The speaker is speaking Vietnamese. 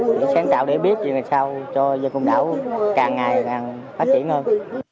để sáng tạo để biết gì là sao cho dân công đảo càng ngày càng phát triển hơn